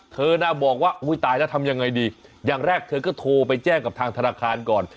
เธอน่ะบอกว่าอุ้ยตายแล้วทำยังไงดีอย่างแรกเธอก็โทรไปแจ้งกับทางธนาคารก่อน